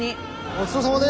ごちそうさまです！